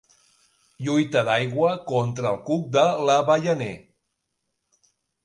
Lluita d'aigua contra el cuc de l'avellaner.